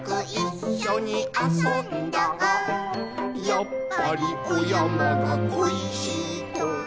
「やっぱりおやまがこいしいと」